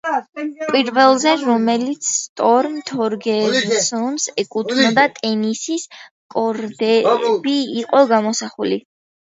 პირველზე, რომელიც სტორმ თორგერსონს ეკუთვნოდა ტენისის კორტები იყო გამოსახული.